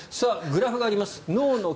グラフがあります